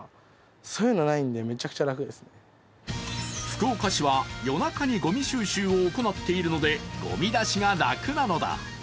福岡市は夜中にごみ収集を行っているので、ごみ出しが楽なのだ。